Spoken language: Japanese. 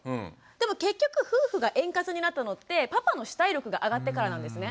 でも結局夫婦が円滑になったのってパパの主体力が上がってからなんですね。